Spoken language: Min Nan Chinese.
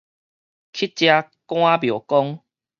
乞食趕廟公